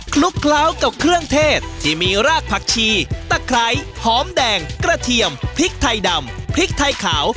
ลุกเคล้ากับเครื่องเทศที่มีรากผักชีตะไคร้หอมแดงกระเทียมพริกไทยดำพริกไทยขาว